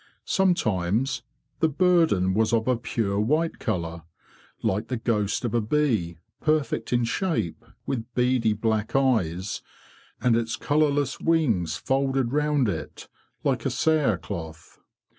Sometimes the burden was of a pure white colour, like the ghost of a bee, perfect in shape, with beady black eyes, and its colourless wings folded round it like a cere cloth.